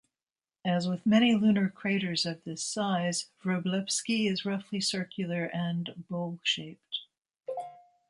As with many lunar craters of this size, Wroblewski is roughly circular and bowl-shaped.